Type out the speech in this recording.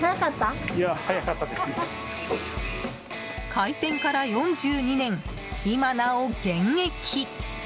開店から４２年、今なお現役！